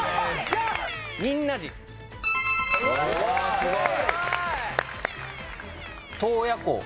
すごい！